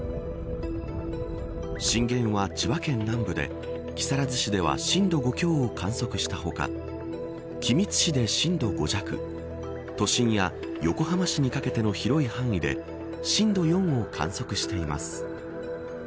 震源は千葉県南部で木更津市では震度５強を観測した他君津市で震度５弱都心や横浜市にかけての広い範囲で震度４を観測しています。